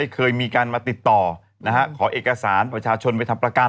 เคยมีการมาติดต่อขอเอกสารประชาชนไปทำประกัน